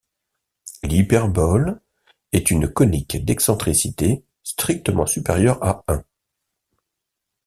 L'hyperbole est une conique d'excentricité strictement supérieure à un.